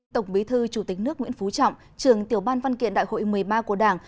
tổng bí thư chủ tịch nước nguyễn phú trọng trường tiểu ban văn kiện đại hội một mươi ba của đảng